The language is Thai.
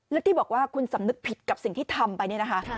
แล้วที่บอกว่าคุณสำนึกผิดกับสิ่งที่ทำไปเนี่ยนะคะ